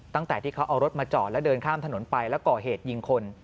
ตั้งแต่ที่เขาเอารถมาจอดแล้วเดินข้ามถนนไปแล้วก่อเหตุยิงคน